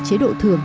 chế độ thường